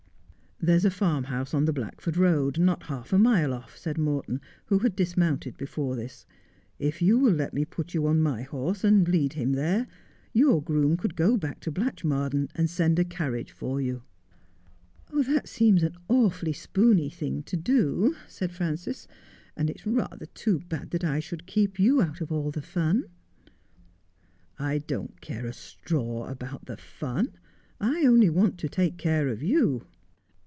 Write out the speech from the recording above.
' There's a farmhouse on the Blackford Eoad, not half a mile off,' said Morton, who had dismounted before this. ' If you will let me put you on my horse, and lead him there, your groom could go back to Blatchmardean and send a carriage for you.' 'That seems an awfully spoony thing to do,' said Frances, ' and it's rather too bad that I should keep you out of all the fun.' ' I don't care a straw about the fun. I only want to take care of you.'